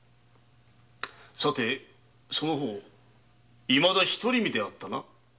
さてその方いまだ独り身であったな。